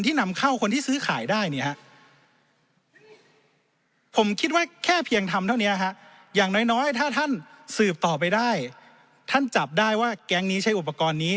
ถ้าท่านสืบต่อไปได้ท่านจับได้ว่าแก๊งนี้ใช้อุปกรณ์นี้